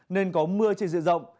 nên có mưa trên dịa rộng